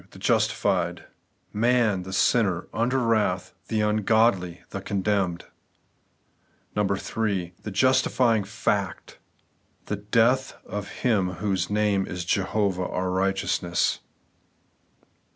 The justified ;— Man, the sinner, under wrath, the ungodly, the condemned. 3. The justifying fact ;— ^The death of Him whose name is Jehovah our righteousness.